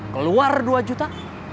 keluar dua juta